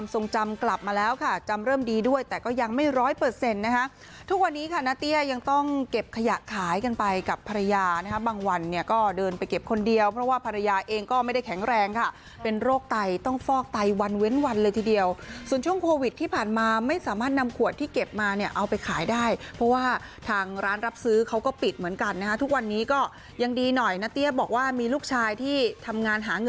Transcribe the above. สำหรับพี่บินบันลือฤทธิ์นั่นเองนะคะล่าสุดนี้บอกเลยว่า